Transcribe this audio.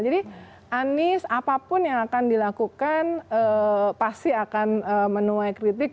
jadi anies apapun yang akan dilakukan pasti akan menuai kritik